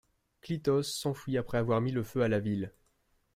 Clitos s'enfuit après avoir mis le feu à la ville.